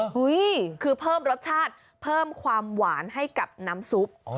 เฮ้ยคือเพิ่มรสชาติเพิ่มความหวานให้กับน้ำซุป